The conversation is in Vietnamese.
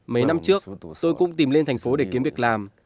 mấy năm trước tôi cũng tìm lên thành phố để kiếm việc làm